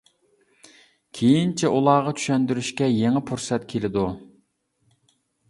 كېيىنچە ئۇلارغا چۈشەندۈرۈشكە يېڭى پۇرسەت كېلىدۇ.